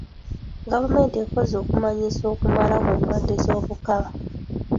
Gavumenti ekoze okumanyisa okumala ku ndwadde z'obukaba.